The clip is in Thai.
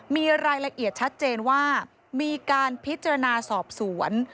มีรายละเอียดชัดเจนว่ามีการพิจารณาสอบสวน